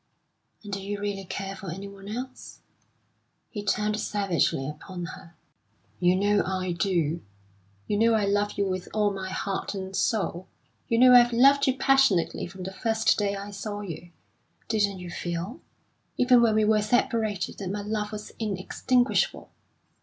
"And do you really care for anyone else?" He turned savagely upon her. "You know I do. You know I love you with all my heart and soul. You know I've loved you passionately from the first day I saw you. Didn't you feel, even when we were separated, that my love was inextinguishable?